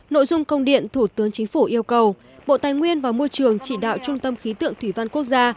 nội dung công điện thủ tướng chính phủ yêu cầu bộ tài nguyên và môi trường chỉ đạo trung tâm khí tượng thủy văn quốc gia